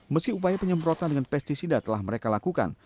meski upaya penyemprotan dengan pesticida telah mereka lakukan